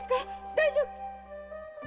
大丈夫。